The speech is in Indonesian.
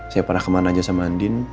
saya pernah kemana aja sama andin